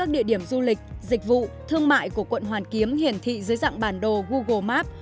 điểm du lịch dịch vụ thương mại của quận hoàn kiếm hiển thị dưới dạng bản đồ google maps